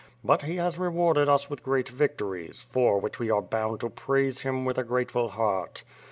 But he has rewarded us with great victories, for which we are bound to praise him with a grateful heart.